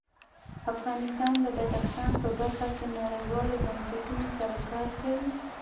افغانستان د بدخشان په برخه کې نړیوالو بنسټونو سره کار کوي.